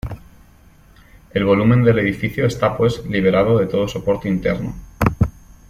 El volumen del edificio está pues liberado de todo soporte interno.